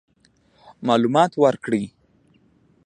معلومات ورکړي.